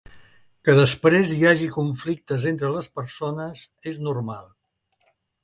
Que després hi hagi conflictes entre les persones és normal.